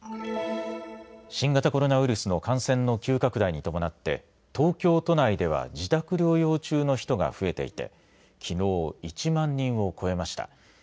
新型コロナウイルスの感染の急拡大に伴って東京都内では自宅療養中の人が増えていてきのう１万人を超えました。